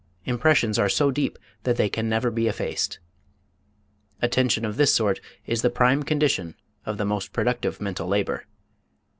Impressions are so deep that they can never be effaced. Attention of this sort is the prime condition of the most productive mental labor.